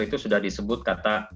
itu sudah disebut kata